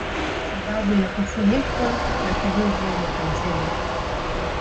Sababu ya kufunikwa na theluji mwaka mzima